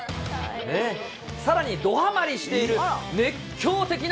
さらにドハマりしている熱狂